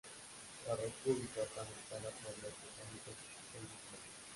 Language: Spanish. La república fue anexada por los británicos el mismo año.